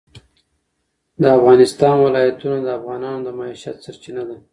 د افغانستان ولايتونه د افغانانو د معیشت سرچینه ده.